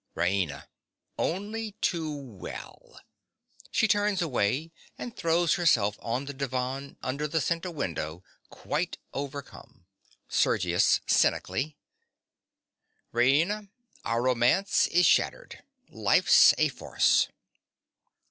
RAINA. Only too well. (She turns away, and throws herself on the divan under the centre window, quite overcome.) SERGIUS. (cynically). Raina: our romance is shattered. Life's a farce.